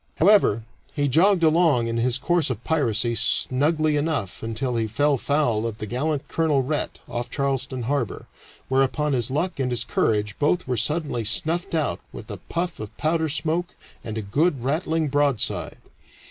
However, he jogged along in his course of piracy snugly enough until he fell foul of the gallant Colonel Rhett, off Charleston Harbor, whereupon his luck and his courage both were suddenly snuffed out with a puff of powder smoke and a good rattling broadside.